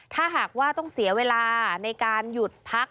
ถ้าหากว่าต้องเสียเวลาในการหยุดพัก